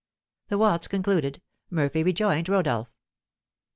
The waltz concluded, Murphy rejoined Rodolph.